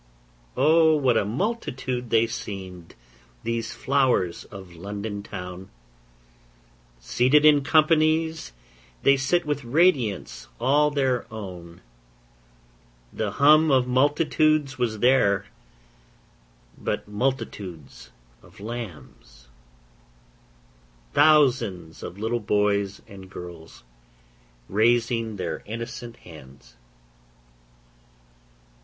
O what a multitude they seemed, these flowers of London town! Seated in companies they sit, with radiance all their own. The hum of multitudes was there, but multitudes of lambs, Thousands of little boys and girls raising their innocent hands.